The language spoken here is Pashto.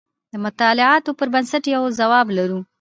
د مطالعاتو پر بنسټ یو ځواب لرو.